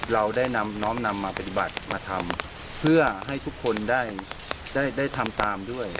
เราได้นำน้อมนำมาปฏิบัติมาทำเพื่อให้ทุกคนได้ทำตามด้วย